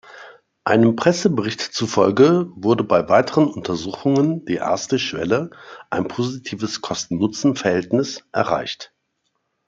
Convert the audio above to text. Einem Pressebericht zufolge wurde bei weiteren Untersuchungen die erste Schwelle, ein positives Kosten-Nutzen-Verhältnis, erreicht.